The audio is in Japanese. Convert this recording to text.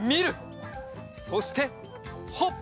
そしてはっ！